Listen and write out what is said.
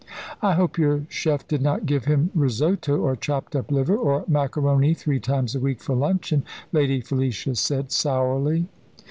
"I hope your chef did not give him risotto or chopped up liver, or macaroni three times a week for luncheon," Lady Felicia said, sourly.